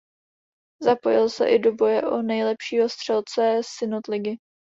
Zapojil se i do boje o nejlepšího střelce Synot ligy.